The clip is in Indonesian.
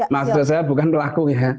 maksud saya bukan pelaku